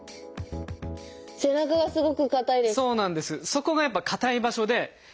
そこがやっぱ硬い場所で。